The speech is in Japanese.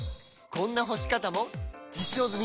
こんな干し方も実証済！